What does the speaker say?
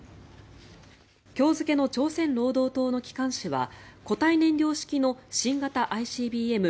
今日付の朝鮮労働党の機関紙は固体燃料式の新型ＩＣＢＭ